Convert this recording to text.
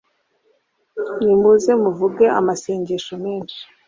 nimuze muvuge amasengesho menshi